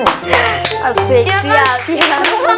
iya sih asik siasat ya